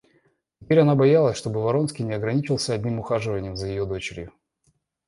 Теперь она боялась, чтобы Вронский не ограничился одним ухаживаньем за ее дочерью.